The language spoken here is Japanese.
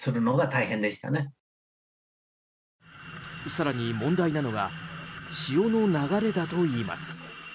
更に、問題なのが潮の流れだといいます。